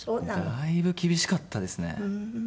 だいぶ厳しかったですね。